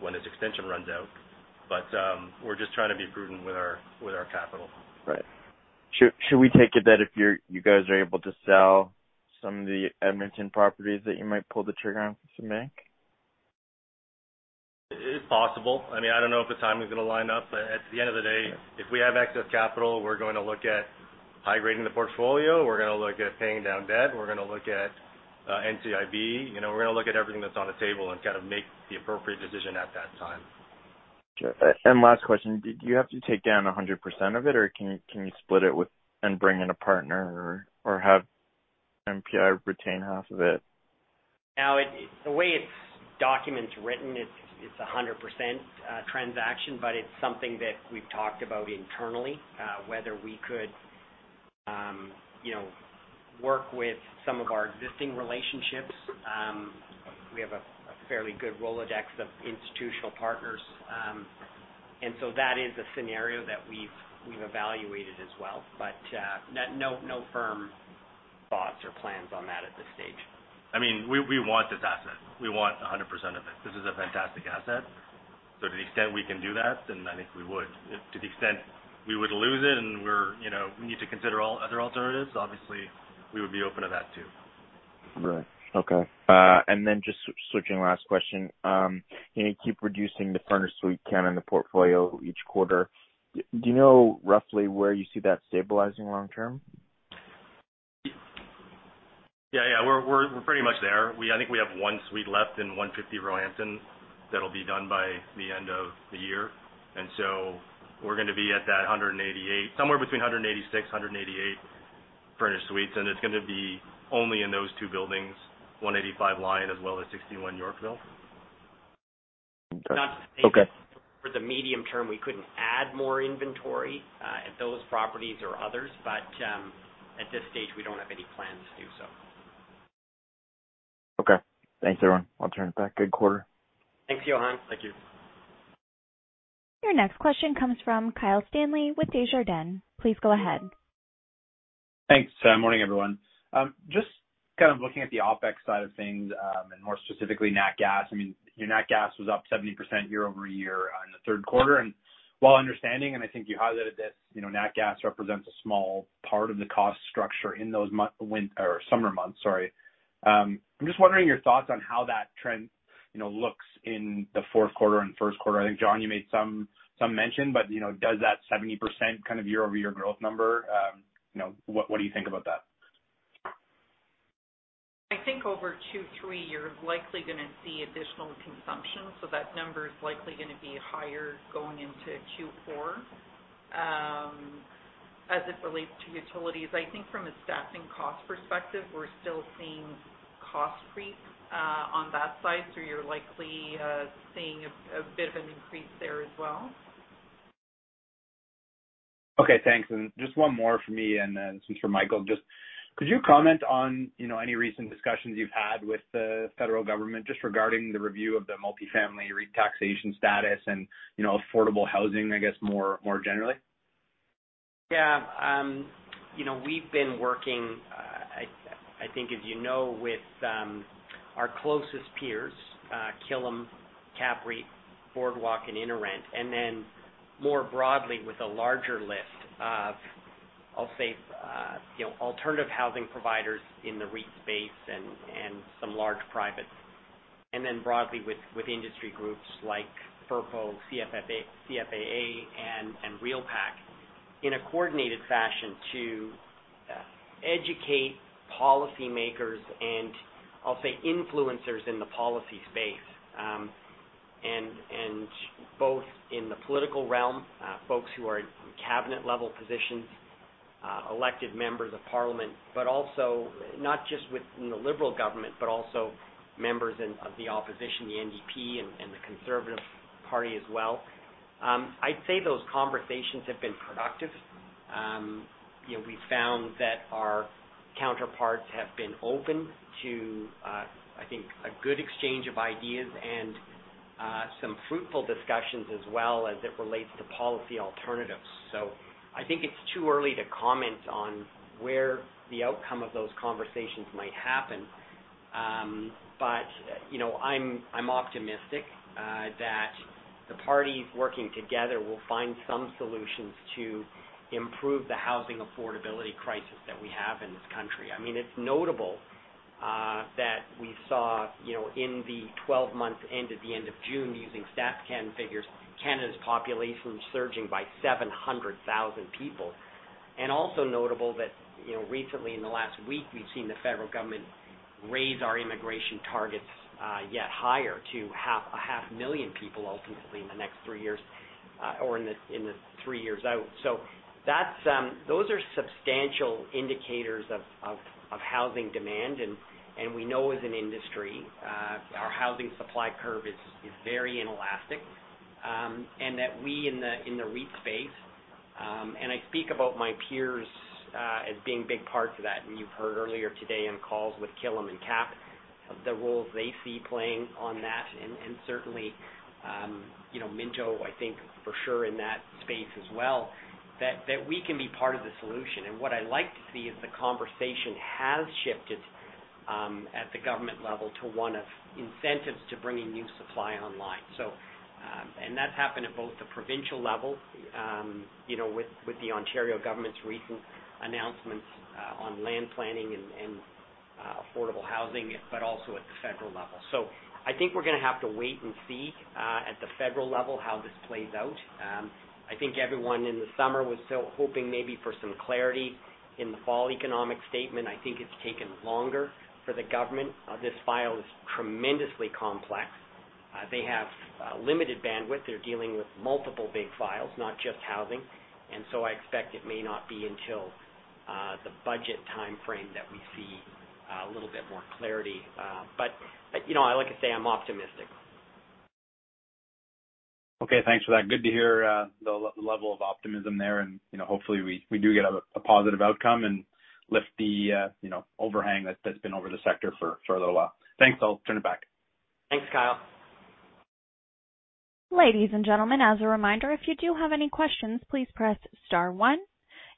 when this extension runs out. We're just trying to be prudent with our capital. Right. Should we take it that if you guys are able to sell some of the Edmonton properties that you might pull the trigger on, if you make? It is possible. I mean, I don't know if the timing is gonna line up. At the end of the day, if we have excess capital, we're gonna look at high grading the portfolio, we're gonna look at paying down debt, we're gonna look at NCIB. You know, we're gonna look at everything that's on the table and kind of make the appropriate decision at that time. Sure. Last question, did you have to take down 100% of it, or can you split it with and bring in a partner, or have MPI retain half of it? The way it's documented, it's a 100% transaction, but it's something that we've talked about internally, whether we could, you know, work with some of our existing relationships. We have a fairly good Rolodex of institutional partners. That is a scenario that we've evaluated as well. No firm thoughts or plans on that at this stage. I mean, we want this asset. We want 100% of it. This is a fantastic asset. To the extent we can do that, then I think we would. If to the extent we would lose it and we're, you know, we need to consider all other alternatives, obviously, we would be open to that too. Right. Okay. Just switching, last question. You keep reducing the furnished suite count in the portfolio each quarter. Do you know roughly where you see that stabilizing long term? Yeah, yeah. We're pretty much there. I think we have one suite left in 150 Roehampton that'll be done by the end of the year. We're gonna be at that 188, somewhere between 186, 188 furnished suites, and it's gonna be only in those two buildings, 185 Lyon as well as 61 Yorkville. Okay. Not to say for the medium term, we couldn't add more inventory at those properties or others, but at this stage, we don't have any plans to do so. Okay. Thanks, everyone. I'll turn it back. Good quarter. Thanks, Johann. Thank you. Your next question comes from Kyle Stanley with Desjardins. Please go ahead. Thanks. Morning, everyone. Just kind of looking at the OpEx side of things, and more specifically nat gas. I mean, your nat gas was up 70% year-over-year in the third quarter. While understanding, and I think you highlighted this, you know, nat gas represents a small part of the cost structure in those summer months, sorry. I'm just wondering your thoughts on how that trend, you know, looks in the fourth quarter and first quarter. I think, Jon, you made some mention, but, you know, does that 70% kind of year-over-year growth number, you know, what do you think about that? I think over two, three, you're likely gonna see additional consumption, so that number is likely gonna be higher going into Q4, as it relates to utilities. I think from a staffing cost perspective, we're still seeing cost creep, on that side, so you're likely seeing a bit of an increase there as well. Okay, thanks. Just one more from me, and then this is for Michael. Just could you comment on, you know, any recent discussions you've had with the federal government just regarding the review of the multifamily REIT taxation status and, you know, affordable housing, I guess, more generally? Yeah. You know, we've been working, I think as you know, with our closest peers, Killam, CAPREIT, Boardwalk, and InterRent, and then more broadly with a larger list of, I'll say, you know, alternative housing providers in the REIT space and some large privates. Broadly with industry groups like FRPO, CFAA, and REALPAC in a coordinated fashion to educate policymakers and, I'll say, influencers in the policy space, and both in the political realm, folks who are in cabinet-level positions, elected members of parliament, but also not just within the Liberal government but also members of the opposition, the NDP and the Conservative Party as well. I'd say those conversations have been productive. You know, we found that our counterparts have been open to, I think, a good exchange of ideas and some fruitful discussions as well as it relates to policy alternatives. I think it's too early to comment on where the outcome of those conversations might happen. You know, I'm optimistic that the parties working together will find some solutions to improve the housing affordability crisis that we have in this country. I mean, it's notable that we saw, you know, in the 12 months ended at the end of June, using StatCan figures, Canada's population surging by 700,000 people. Also notable that, you know, recently in the last week, we've seen the federal government raise our immigration targets yet higher to 500,000 people ultimately in the next three years or in the three years out. That's those are substantial indicators of housing demand. We know as an industry our housing supply curve is very inelastic and that we in the REIT space and I speak about my peers as being big parts of that. You've heard earlier today in calls with Killam and CAP, the roles they see playing on that. Certainly, you know, Minto, I think for sure in that space as well, that we can be part of the solution. What I like to see is the conversation has shifted at the government level to one of incentives to bringing new supply online. That's happened at both the provincial level, you know, with the Ontario government's recent announcements on land planning and affordable housing, but also at the federal level. I think we're gonna have to wait and see at the federal level how this plays out. I think everyone in the summer was so hoping maybe for some clarity in the fall economic statement. I think it's taken longer for the government. This file is tremendously complex. They have limited bandwidth. They're dealing with multiple big files, not just housing. I expect it may not be until the budget timeframe that we see a little bit more clarity. You know, like I say, I'm optimistic. Okay, thanks for that. Good to hear, the level of optimism there. You know, hopefully we do get a positive outcome and lift the, you know, overhang that's been over the sector for a little while. Thanks. I'll turn it back. Thanks, Kyle. Ladies and gentlemen, as a reminder, if you do have any questions, please press star one.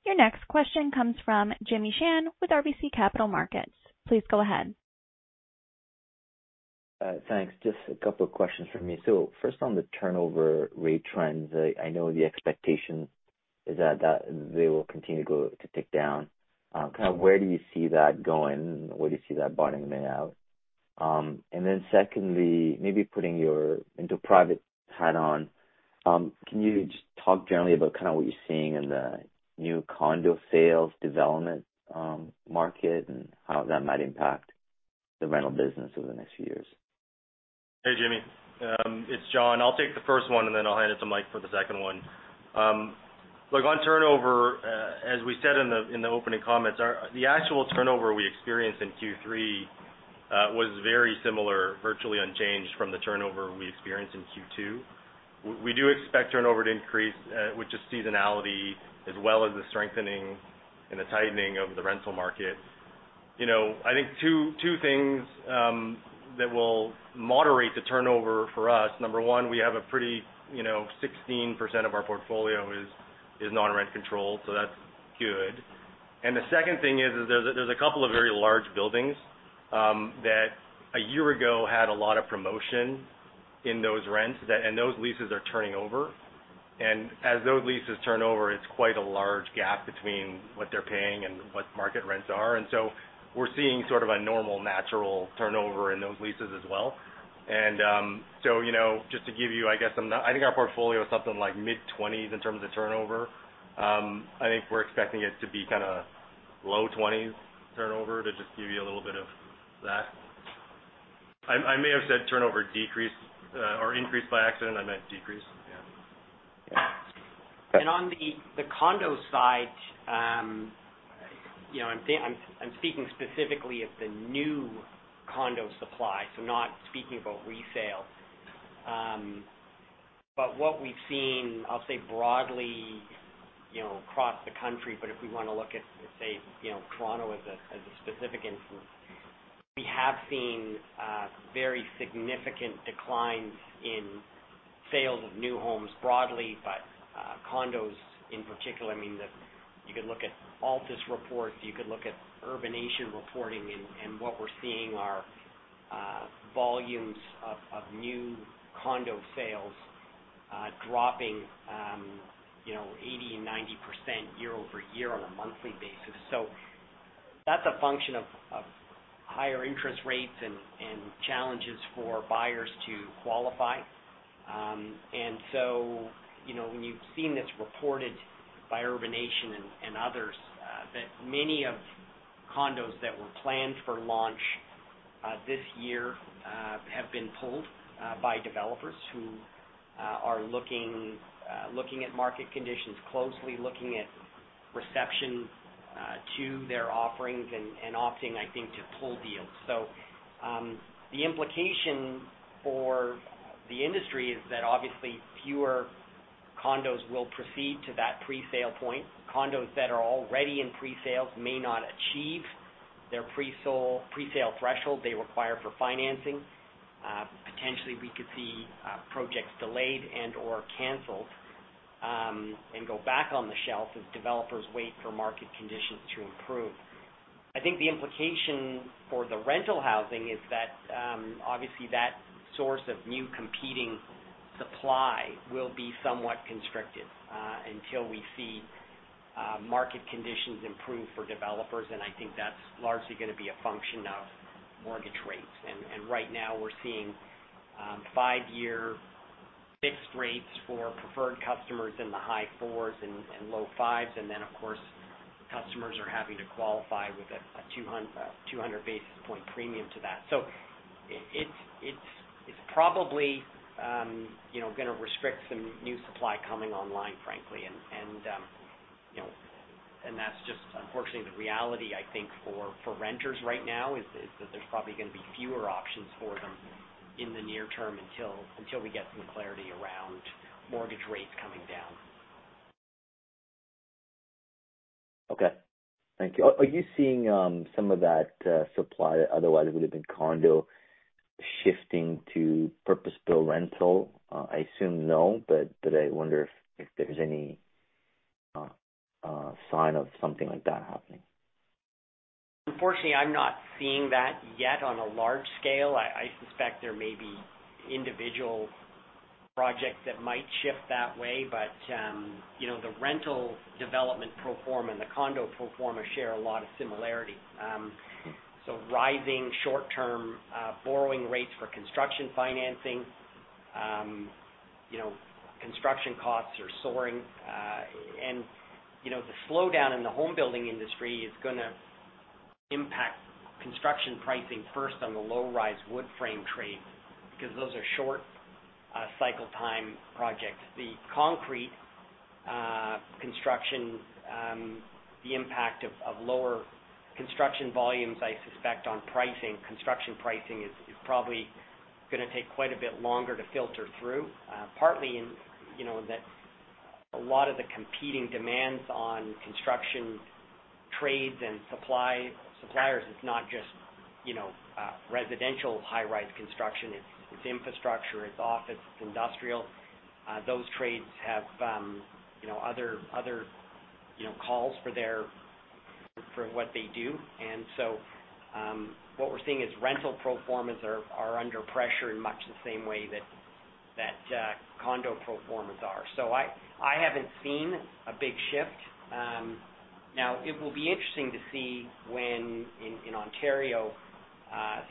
Your next question comes from Jimmy Shan with RBC Capital Markets. Please go ahead. Thanks. Just a couple of questions from me. First on the turnover rate trends, I know the expectation is that they will continue to tick down. Kind of where do you see that going? Where do you see that bottoming out? Secondly, maybe putting your investor hat on, can you just talk generally about kind of what you're seeing in the new condo sales development market, and how that might impact the rental business over the next few years? Hey, Jimmy. It's Jon. I'll take the first one, and then I'll hand it to Mike for the second one. Look, on turnover, as we said in the opening comments, the actual turnover we experienced in Q3 was very similar, virtually unchanged from the turnover we experienced in Q2. We do expect turnover to increase with just seasonality as well as the strengthening and the tightening of the rental market. You know, I think two things that will moderate the turnover for us. Number one, you know, 16% of our portfolio is non-rent controlled, so that's good. The second thing is there's a couple of very large buildings that a year ago had a lot of promotion in those rents, and those leases are turning over. As those leases turn over, it's quite a large gap between what they're paying and what market rents are. We're seeing sort of a normal natural turnover in those leases as well. You know, just to give you, I guess, some. I think our portfolio is something like mid-20s% in terms of turnover. I think we're expecting it to be kinda low-20s turnover to just give you a little bit of that. I may have said turnover decrease, or increased by accident. I meant decrease. Yeah. Yeah. On the condo side, you know, I'm speaking specifically of the new condo supply, so not speaking about resale. But what we've seen, I'll say broadly, you know, across the country, but if we wanna look at, say, you know, Toronto as a specific instance. We have seen very significant declines in sales of new homes broadly, but condos in particular. I mean, you could look at Altus reports, you could look at Urbanation reporting, and what we're seeing are volumes of new condo sales dropping, you know, 80%-90% year-over-year on a monthly basis. That's a function of higher interest rates and challenges for buyers to qualify. You know, when you've seen this reported by Urbanation and others, that many of condos that were planned for launch this year have been pulled by developers who are looking at market conditions closely, looking at reception to their offerings and opting, I think, to pull deals. The implication for the industry is that obviously fewer condos will proceed to that presale point. Condos that are already in presales may not achieve their presale threshold they require for financing. Potentially we could see projects delayed and/or canceled and go back on the shelf as developers wait for market conditions to improve. I think the implication for the rental housing is that, obviously that source of new competing supply will be somewhat constricted, until we see market conditions improve for developers, and I think that's largely gonna be a function of mortgage rates. Right now we're seeing five-year fixed rates for preferred customers in the high fours and low fives. Then of course, customers are having to qualify with a 200 basis point premium to that. It's probably, you know, gonna restrict some new supply coming online, frankly. You know, that's just unfortunately the reality I think for renters right now is that there's probably gonna be fewer options for them in the near term until we get some clarity around mortgage rates coming down. Okay. Thank you. Are you seeing some of that supply that otherwise would have been condo shifting to purpose-built rental? I assume no, but I wonder if there's any sign of something like that happening. Unfortunately, I'm not seeing that yet on a large scale. I suspect there may be individual projects that might shift that way. You know, the rental development pro forma and the condo pro forma share a lot of similarity. Rising short-term borrowing rates for construction financing. You know, construction costs are soaring. You know, the slowdown in the home building industry is gonna impact construction pricing first on the low-rise wood frame trades, because those are short cycle time projects. The concrete construction, the impact of lower construction volumes, I suspect, on pricing. Construction pricing is probably gonna take quite a bit longer to filter through. Partly, you know, that a lot of the competing demands on construction trades and supply, suppliers is not just, you know, residential high-rise construction. It's infrastructure, it's office, it's industrial. Those trades have you know, other calls for what they do. What we're seeing is rental pro formas are under pressure in much the same way that condo pro formas are. I haven't seen a big shift. Now it will be interesting to see when in Ontario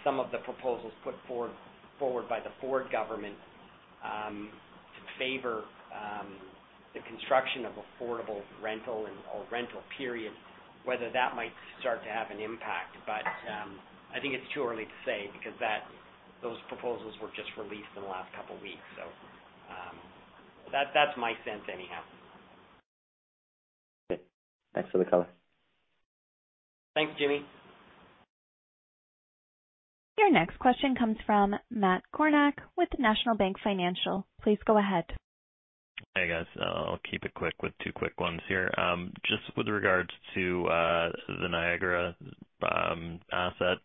some of the proposals put forward by the Ford government to favor the construction of affordable rental or rental period whether that might start to have an impact. I think it's too early to say because those proposals were just released in the last couple weeks. That's my sense anyhow. Okay. Thanks for the color. Thanks, Jimmy. Your next question comes from Matt Kornack with National Bank Financial. Please go ahead. Hey, guys. I'll keep it quick with two quick ones here. Just with regards to the Niagara asset,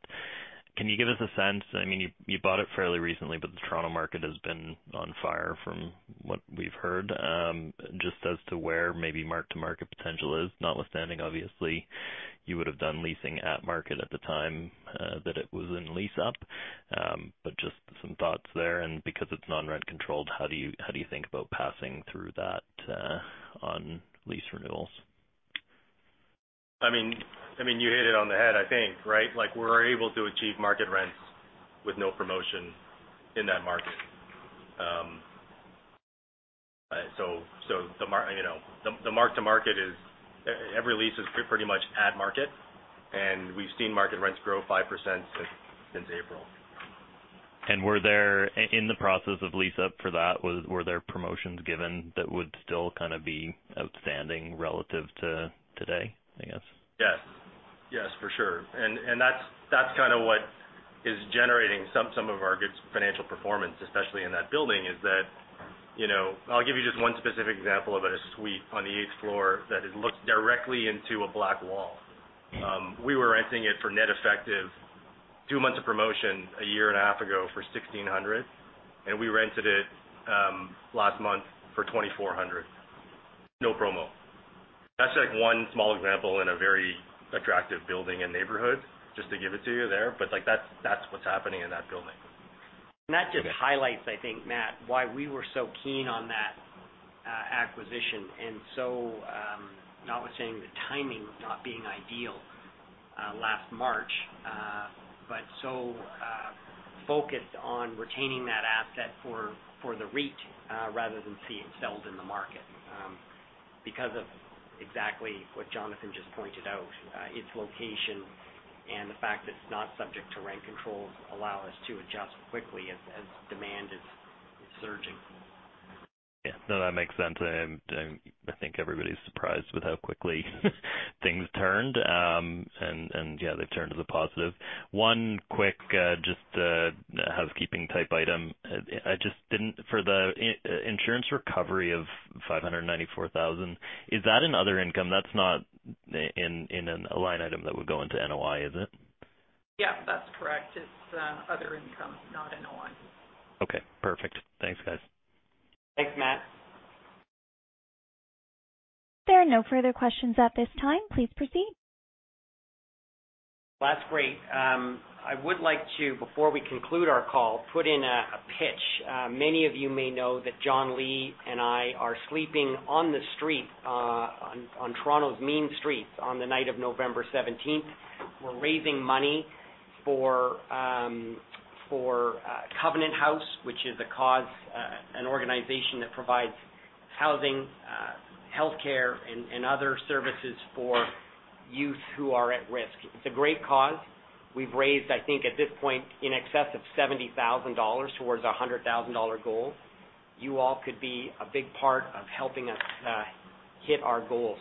can you give us a sense? I mean, you bought it fairly recently, but the Toronto market has been on fire from what we've heard. Just as to where maybe mark-to-market potential is, notwithstanding obviously, you would have done leasing at market at the time that it was in lease up. But just some thoughts there. Because it's non-rent-controlled, how do you think about passing through that on lease renewal? I mean, you hit it on the head, I think, right? Like, we're able to achieve market rents with no promotion in that market. So, you know, the mark to market is every lease pretty much at market, and we've seen market rents grow 5% since April. In the process of lease up for that, were there promotions given that would still kinda be outstanding relative to today, I guess? Yes. Yes, for sure. That's kinda what is generating some of our good financial performance, especially in that building, is that, you know, I'll give you just one specific example of a suite on the eighth floor that it looks directly into a black wall. We were renting it for net effective two months of promotion a year and a half ago for 1,600, and we rented it last month for 2,400. No promo. That's like one small example in a very attractive building and neighborhood, just to give it to you there. Like, that's what's happening in that building. That just highlights, I think, Matt, why we were so keen on that acquisition and so, notwithstanding the timing of not being ideal last March, but so focused on retaining that asset for the REIT rather than see it sold in the market, because of exactly what Jonathan just pointed out. Its location and the fact that it's not subject to rent controls allow us to adjust quickly as demand is surging. Yeah. No, that makes sense. I think everybody's surprised with how quickly things turned. Yeah, they've turned to the positive. One quick, just, housekeeping-type item. For the insurance recovery of 594,000, is that in other income? That's not in a line item that would go into NOI, is it? Yeah, that's correct. It's other income, not NOI. Okay. Perfect. Thanks, guys. Thanks, Matt. There are no further questions at this time. Please proceed. Well, that's great. I would like to, before we conclude our call, put in a pitch. Many of you may know that Jon Li and I are sleeping on the street, on Toronto's Mean Streets on the night of November 17. We're raising money for Covenant House, which is a cause, an organization that provides housing, healthcare and other services for youth who are at risk. It's a great cause. We've raised, I think, at this point in excess of 70,000 dollars towards a 100,000 dollar goal. You all could be a big part of helping us hit our goal.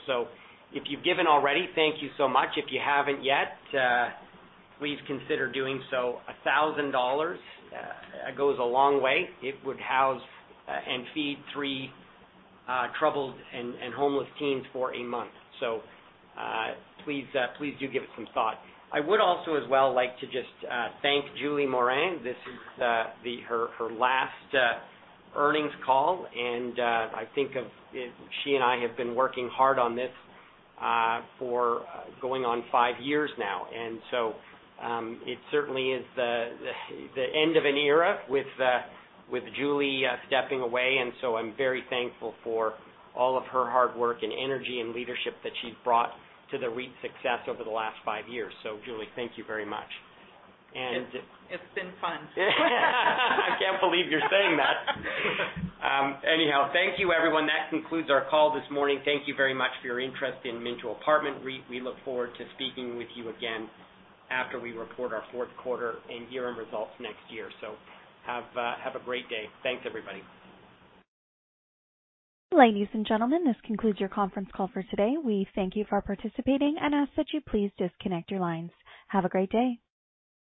If you've given already, thank you so much. If you haven't yet, please consider doing so. 1,000 dollars goes a long way. It would house and feed three troubled and homeless teens for a month. Please do give it some thought. I would also as well like to just thank Julie Morin. This is her last earnings call, and I think of it, she and I have been working hard on this for going on five years now. It certainly is the end of an era with Julie stepping away, and I'm very thankful for all of her hard work and energy and leadership that she's brought to the REIT's success over the last five years. Julie, thank you very much. It's been fun. I can't believe you're saying that. Anyhow, thank you everyone. That concludes our call this morning. Thank you very much for your interest in Minto Apartment REIT. We look forward to speaking with you again after we report our fourth quarter and year-end results next year. Have a great day. Thanks, everybody. Ladies and gentlemen, this concludes your conference call for today. We thank you for participating and ask that you please disconnect your lines. Have a great day.